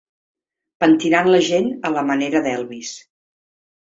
Pentinant la gent a la manera d'Elvis.